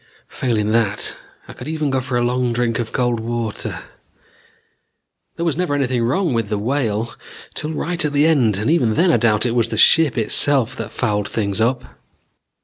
Failing that, I could even go for a long drink of cold water. There was never anything wrong with the Whale till right at the end and even then I doubt if it was the ship itself that fouled things up.